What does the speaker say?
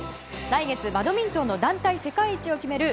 来月バドミントンの団体世界１位を決める